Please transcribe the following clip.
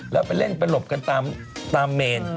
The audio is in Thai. แล้วไปเล่นไปหลบกันตามเมน